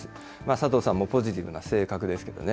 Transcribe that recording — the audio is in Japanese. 佐藤さんもポジティブな性格ですけどね。